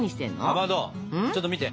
かまどちょっと見て。